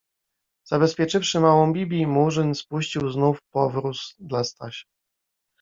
Zabezpieczywszy małą Bibi, Murzyn spuścił znów powróz dla Stasia.